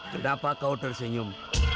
kenapa kau tersenyum